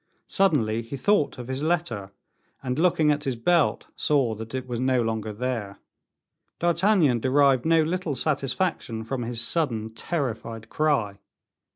Suddenly he thought of his letter, and, looking at his belt, saw that it was no longer there. D'Artagnan derived no little satisfaction from his sudden, terrified cry.